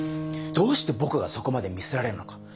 どうしてぼくがそこまでみせられるのか。